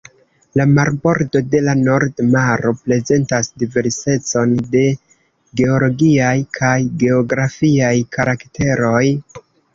La marbordo de la Nord Maro prezentas diversecon de geologiaj kaj geografiaj karakteroj.